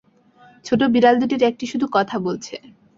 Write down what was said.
ছোট বিড়াল দুটির একটি শুধু কথা বলছে।